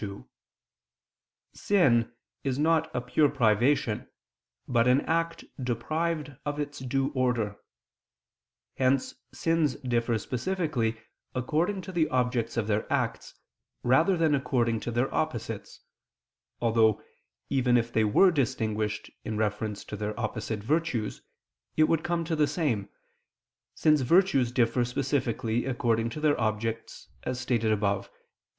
2: Sin is not a pure privation but an act deprived of its due order: hence sins differ specifically according to the objects of their acts rather than according to their opposites, although, even if they were distinguished in reference to their opposite virtues, it would come to the same: since virtues differ specifically according to their objects, as stated above (Q.